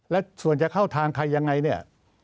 และส่วนจะเข้าทางใครยังไง